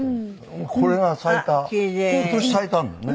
これが咲いた今年咲いたんだよね。